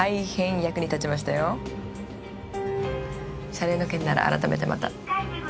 謝礼の件なら改めてまた。